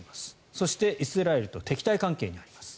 そしてイスラエルと敵対関係にあります。